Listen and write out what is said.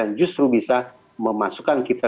yang justru bisa memasukkan kita